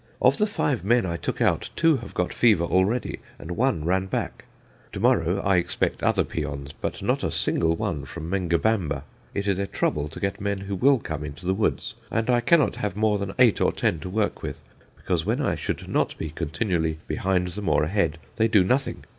Of the five men I took out, two have got fever already, and one ran back. To morrow I expect other peons, but not a single one from Mengobamba. It is a trouble to get men who will come into the woods, and I cannot have more than eight or ten to work with, because when I should not be continually behind them or ahead they do nothing.